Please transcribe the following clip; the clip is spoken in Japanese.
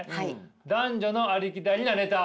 「男女のありきたりなネタ」。